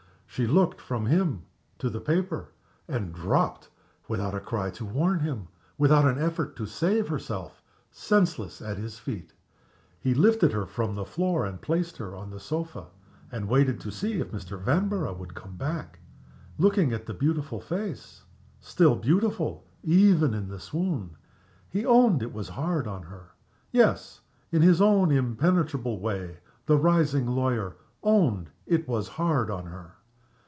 She looked from him to the paper, and dropped, without a cry to warn him, without an effort to save herself, senseless at his feet. He lifted her from the floor and placed her on the sofa, and waited to see if Mr. Vanborough would come back. Looking at the beautiful face still beautiful, even in the swoon he owned it was hard on her. Yes! in his own impenetrable way, the rising lawyer owned it was hard on her.